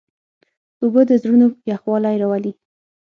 اوبه د زړونو یخوالی راولي.